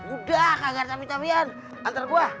udah kagak capian capian antar gua